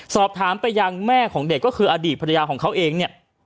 สอบถามไปยังแม่ของเด็กก็คืออดีตภรรยาของเขาเองเนี่ย